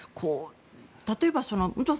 例えば武藤さん